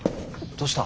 どうした？